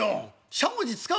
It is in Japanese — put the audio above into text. しゃもじ使うの？